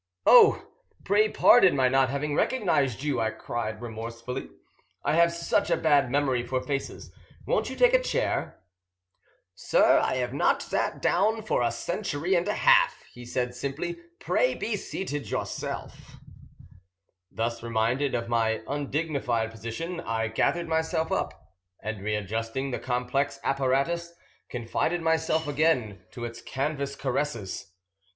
"Oh! pray pardon my not having recognised you," I cried remorsefully; "I have such a bad memory for faces. Won't you take a chair?" "Sir, I have not sat down for a century and a half," he said simply. "Pray be seated yourself." [Illustration: "PRAY BE SEATED YOURSELF," SAID THE GHOST SIMPLY.] Thus reminded of my undignified position, I gathered myself up, and readjusting the complex apparatus, confided myself again to its canvas caresses.